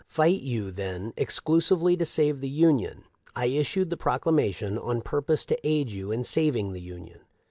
Fight you, then, exclusively to save the Union. I issued the proclamation on purpose to aid you in saving the Union.